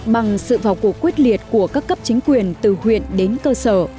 bằng sự vào cuộc quyết liệt của các cấp chính quyền từ huyện đến cơ sở